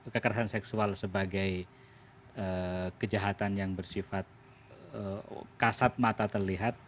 kekerasan seksual sebagai kejahatan yang bersifat kasat mata terlihat